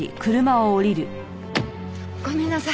ごめんなさい。